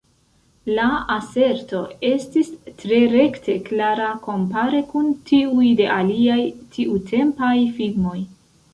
La aserto estis tre rekte klara kompare kun tiuj de aliaj tiutempaj filmoj.